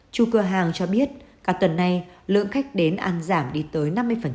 chủ cửa hàng cho biết cả tuần này lượng khách đến ăn giảm đi tới năm mươi